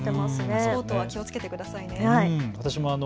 パスポートは気をつけてくださいね。